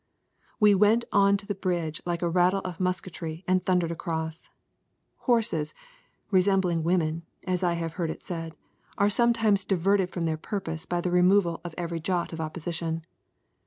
We went on to the bridge like a rattle of musketry and thundered across. Horses, resembling women, as I have heard it said, are sometimes diverted from their purpose by the removal of every jot of opposition.